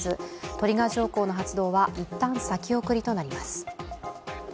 トリガー条項の発動はいったん先送りとなります。